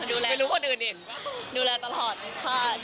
ดูแลตลอดดูแลตลอดตลอด